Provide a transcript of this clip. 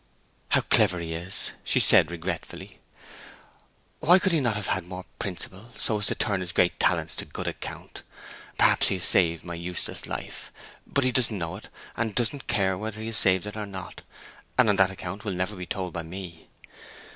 "How clever he is!" she said, regretfully. "Why could he not have had more principle, so as to turn his great talents to good account? Perhaps he has saved my useless life. But he doesn't know it, and doesn't care whether he has saved it or not; and on that account will never be told by me!